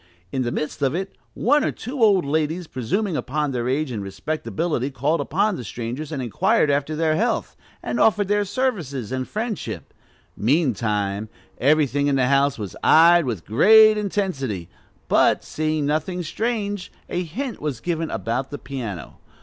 In the midst of it, one or two old ladies, presuming upon their age and respectability, called upon the strangers and inquired after their health, and offered their services and friendship; meantime, everything in the house was eyed with great intensity, but, seeing nothing strange, a hint was given about the piano.